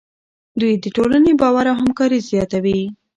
دوی د ټولنې باور او همکاري زیاتوي.